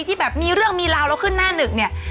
ที่แบบมีเรื่องมีราวแล้วขึ้นหน้าหนึ่งเนี่ย